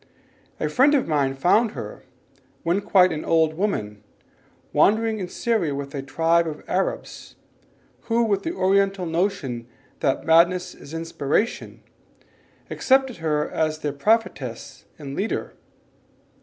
A friend of mine found her, when quite an old woman, wandering in Syria with a tribe of Arabs, who with the Oriental notion that madness is inspiration, accepted her as their prophetess and leader.